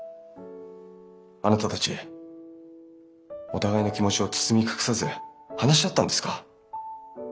あなたたちお互いの気持ちを包み隠さず話し合ったんですか？